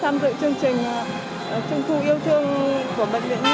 mình cảm thấy rất là vui